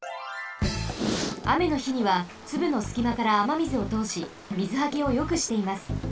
あめのひにはつぶのすきまからあまみずをとおしみずはけをよくしています。